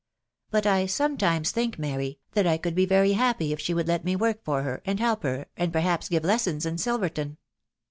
But I sometimes think. Mary, that I could be very happy if she would let me work for her, and help her, and perhaps give lessons in Silverton.